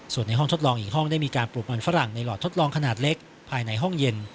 ส่วนในห้องทดลองอีกห้องได้มีการปลูกมันฝรั่งในหลอดทดลองขนาดเล็กภายในห้องเย็น